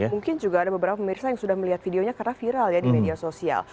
mungkin juga ada beberapa pemirsa yang sudah melihat videonya karena viral ya di media sosial